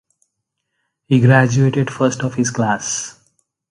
He graduated first of his class.